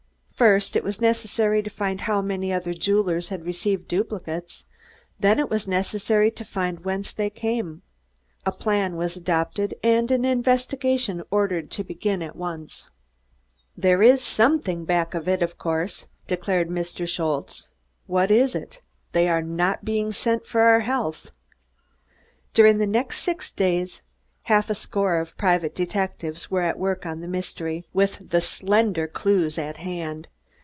First it was necessary to find how many other jewelers had received duplicates; then it was necessary to find whence they came. A plan was adopted, and an investigation ordered to begin at once. "Dere iss someding back of id, of course," declared Mr. Schultze. "Vas iss? Dey are nod being send for our healdh!" During the next six days half a score of private detectives were at work on the mystery, with the slender clews at hand.